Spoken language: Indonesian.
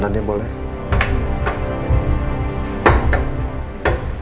mbak andin boleh